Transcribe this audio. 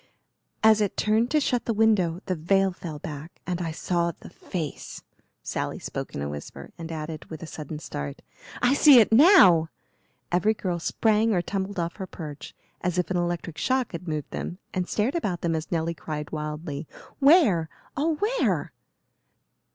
"As it turned to shut the window the veil fell back and I saw the face." Sally spoke in a whisper and added, with a sudden start, "I see it now!" Every girl sprang or tumbled off her perch as if an electric shock had moved them, and stared about them as Nelly cried wildly, "Where? oh, where?"